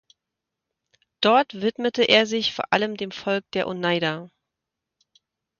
Dort widmete er sich vor allem dem Volk der Oneida.